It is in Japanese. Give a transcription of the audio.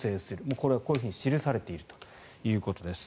これはこういうふうに記されているということです。